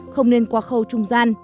không nên qua khâu trung gian